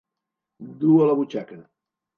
Dur a la butxaca.